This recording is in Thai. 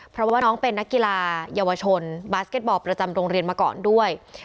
เพราะว่าน้องเป็นนักกีฬาเยาวชนบาสเก็ตบอลประจำโรงเรียนมาก่อนด้วย